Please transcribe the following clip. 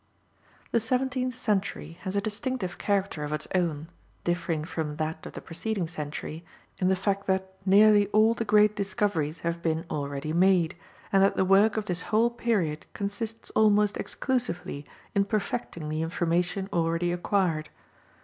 The seventeenth century has a distinctive character of its own, differing from that of the preceding century in the fact that nearly all the great discoveries have been already made, and that the work of this whole period consists almost exclusively in perfecting the information already acquired.